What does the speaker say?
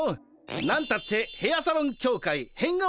何たってヘアサロン協会変顔